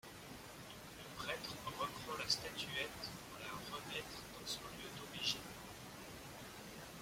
Le prêtre reprend la statuette pour la remettre dans son lieu d'origine.